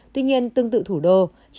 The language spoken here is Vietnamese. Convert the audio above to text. tuy nhiên tương tự thủ đô